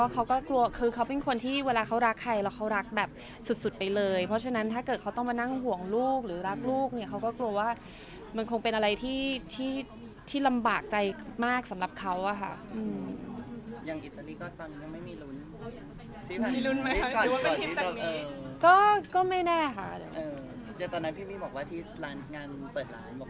เขาก็กลัวคือเขาเป็นคนที่เวลาเขารักใครแล้วเขารักแบบสุดไปเลยเพราะฉะนั้นถ้าเกิดเขาต้องมานั่งห่วงลูกหรือรักลูกเนี่ยเขาก็กลัวว่ามันคงเป็นอะไรที่ที่ที่ลำบากใจมากสำหรับเขาอ่ะค่ะอย่างอิตาลีก็ตอนนี้ไม่มีลุ้นที่มีลุ้นไหมครับก็ก็ไม่แน่ค่ะเดี๋ยวตอนนั้นพี่พี่บอกว่าที่ร้านงานเปิดหลานบอกว